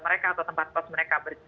mereka atau tempat pos mereka